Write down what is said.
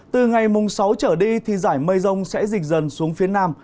từ ngày mùng sáu trở đi thì giải mây rông sẽ dịch dần xuống phía nam